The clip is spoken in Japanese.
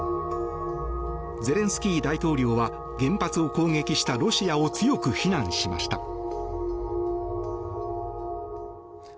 ゼレンスキー大統領は原発を攻撃したロシアを強く非難しました。